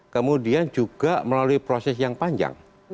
kemudian juga melalui proses yang panjang